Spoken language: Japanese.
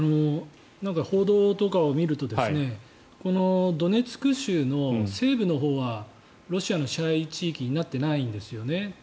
報道とかを見るとこのドネツク州の西部のほうはロシアの支配地域になっていないんですよね。